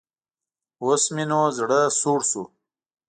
اوس مې نو زړۀ سوړ شو.